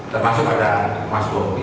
termasuk ada mas bobi